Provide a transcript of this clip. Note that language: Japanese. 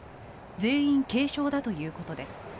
全員軽症だということです。